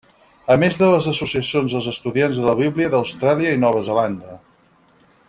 A més de les Associacions dels Estudiants de la Bíblia d'Austràlia i Nova Zelanda.